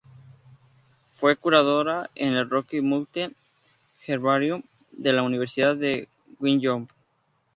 Fue curadora en el "Rocky Mountain Herbarium" de la Universidad de Wyoming.